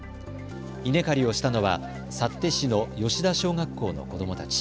稲刈りをしたのは幸手市の吉田小学校の子どもたち。